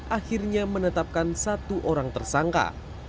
akhirnya menetapkan satu orang tersangka